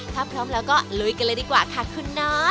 ถ้าพร้อมแล้วก็ลุยกันเลยดีกว่าค่ะคุณน้า